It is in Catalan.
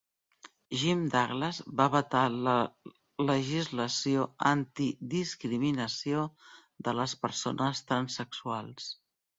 Jim Douglas va vetar la legislació antidiscriminació de les persones transsexuals.